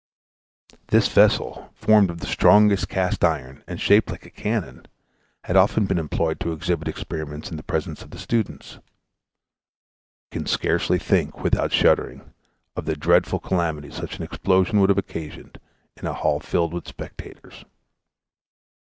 This vessel, formed of the strongest cast iron, and shaped like a cannon, had often been employed to exhibit experiments in the presence of the students. We can scarcely think, without shuddering, of the dreadful calamity such an explosion would have occasioned in a hall filled with spectators.